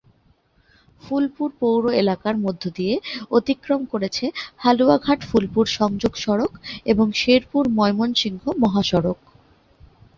ফুলপুর পৌর এলাকার মধ্যদিয়ে অতিক্রম করেছে হালুয়াঘাট-ফুলপুর সংযোগ সড়ক এবং শেরপুর-ময়মনসিংহ মহাসড়ক।